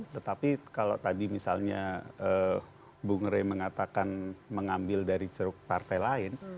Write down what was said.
tetapi kalau tadi misalnya bu ngeri mengatakan mengambil dari seru partai lain